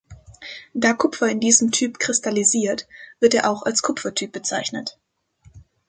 Da Kupfer in diesem Typ kristallisiert, wird er auch als Kupfer-Typ bezeichnet.